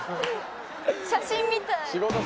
写真みたい。